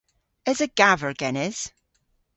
Esa gaver genes?